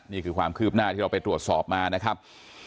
นี่คือความคืบหน้าที่เราไปตรวจสอบมานะครับ